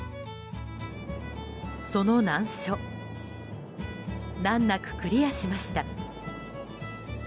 その難所難なくクリアしました。